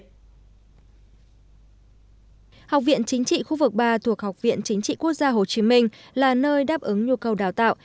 học viện chính trị khu vực ba thuộc học viện chính trị quốc gia hồ chí minh là nơi đáp ứng nhu cầu đào tạo